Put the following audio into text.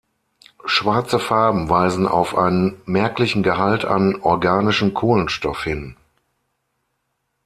Schwarze Farben weisen auf einen merklichen Gehalt an organischem Kohlenstoff hin.